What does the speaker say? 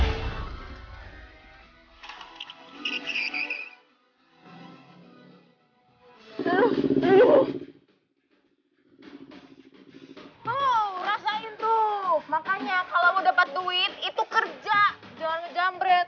hai seluruh hai mau rasain tuh makanya kalau dapat duit itu kerja jangan ngejam bread